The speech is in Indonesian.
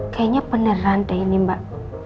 kayaknya peneran deh ini mbak